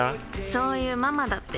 そういうママだって。